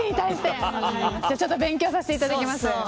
じゃあ勉強させていただきます。